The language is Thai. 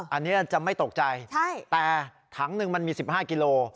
อันนี้จะไม่ตกใจแต่ถังหนึ่งมันมี๑๕กิโล